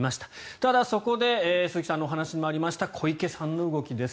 ただ、そこで鈴木さんの話にもありました小池さんの動きです。